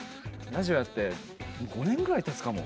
ラジオやって５年ぐらいたつかも。